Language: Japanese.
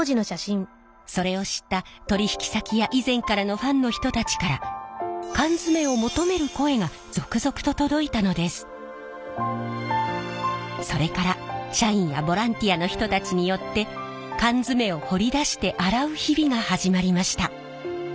それを知った取引先や以前からのファンの人たちからそれから社員やボランティアの人たちによって缶詰を掘り出して洗う日々が始まりました。